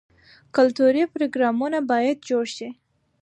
کلتوري پروګرامونه باید جوړ شي.